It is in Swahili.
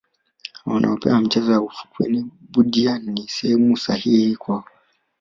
wanaopenda michezo ya ufukweni budya ni sehemu sahihi kwao